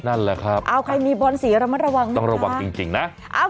นั่นแหละครับต้องระวังจริงนะเอาใครมีบอลสีอะไรมาระวัง